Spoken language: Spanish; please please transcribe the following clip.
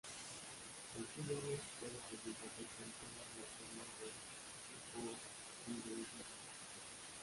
El síndrome puede presentarse con todas las formas de hipotiroidismo.